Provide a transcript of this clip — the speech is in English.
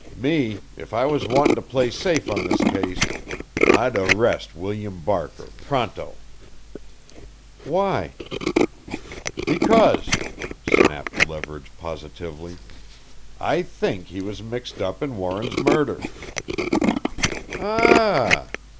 Me, if I was wantin' to play safe on this case, I'd arrest William Barker pronto." "Why?" "Because," snapped Leverage positively, "I think he was mixed up in Warren's murder!" "Aa ah!"